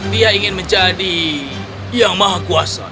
dia ingin menjadi yang maha kuasa